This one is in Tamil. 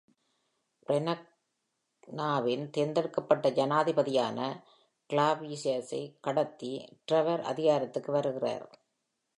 ப்ரெக்னாவின் தேர்ந்தெடுக்கப்பட்ட ஜனாதிபதியான கிளாவியஸைக் கடத்தி ட்ரெவர் அதிகாரத்திற்கு வருகிறார்.